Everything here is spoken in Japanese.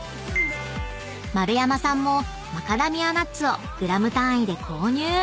［丸山さんもマカダミアナッツをグラム単位で購入］